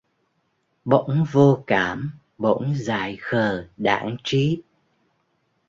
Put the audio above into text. Bỗng vô cảm bỗng dại khờ đãng trí